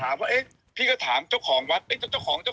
ว่าเอ๊ะพี่ก็ถามเจ้าของวัดเอ๊ะเจ้าของเจ้า